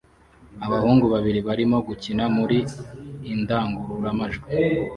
Abahungu babiri barimo gukina muri indangurura majwi